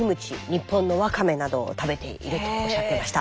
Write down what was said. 日本のワカメなどを食べているとおっしゃってました。